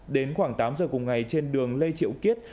đến khoảng tám giờ cùng ngày trên đường lê triệu kiết